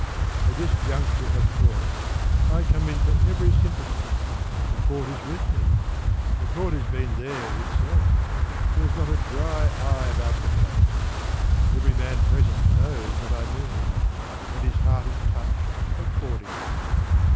At this juncture of course I come in for every sympathy: The Court is with me, The Court has been there itself; There is not a dry eye about the place, Every man present knows what I mean, And his heart is touched accordingly.